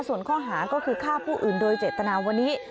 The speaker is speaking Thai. ส่วนข้อหาก็คือฆ่าผู้อื่นโดยเจตนาวันนี้